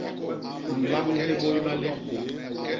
A nlañ hibôy malép.